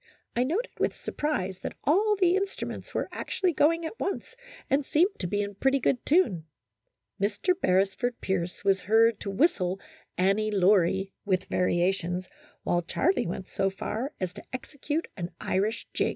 I noted with surprise that all the instruments were actually going at once and seemed to be in pretty good tune. Mr. Beresford Pierce was heard to whistle " Annie Laurie " with variations, while Charlie went so far as to execute an Irish jig.